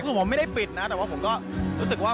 คือผมไม่ได้ปิดนะแต่ว่าผมก็รู้สึกว่า